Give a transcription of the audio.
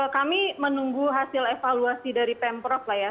kami menunggu hasil evaluasi dari pemprov lah ya